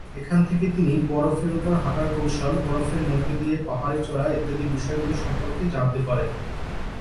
এখান থেকে তিনি বরফ এর উপর হাঁটার কৌশল, বরফের মধ্য দিয়ে পাহাড়ে চড়া ইত্যাদি বিষয় গুলি সম্পর্কে জানতে পারেন।